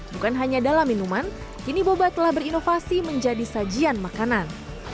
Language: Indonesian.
bukan hanya dalam minuman kini boba telah berinovasi menjadi sajian makanan